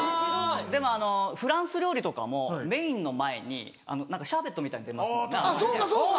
でもフランス料理とかもメインの前にシャーベットみたいの出ますもんね甘いね。